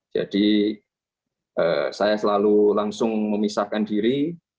jadi saya selalu langsung memisahkan diri